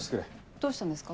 どうしたんですか？